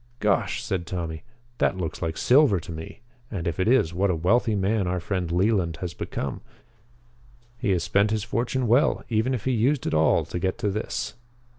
"Gosh!" said Tommy. "That looks like silver to me. And, if it is, what a wealthy man our friend Leland has become. He has spent his fortune well, even if he used it all to get to this."